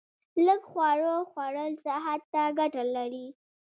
لږ خواړه خوړل صحت ته ګټه لري